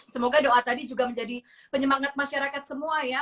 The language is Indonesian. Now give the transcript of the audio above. semoga doa tadi juga menjadi penyemangat masyarakat semua ya